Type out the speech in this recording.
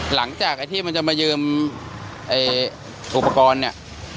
หลังจากที่มันจะมายืมอุปกรณ์เนี่ย